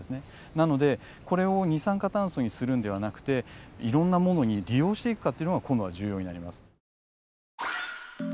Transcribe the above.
なのでこれを二酸化炭素にするんではなくていろんなものに利用していくかっていうのが今度は重要になります。